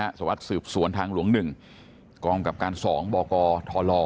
ทางหลวงนะฮะสวัสดิ์สืบสวนทางหลวง๑กรองกับการ๒บกทล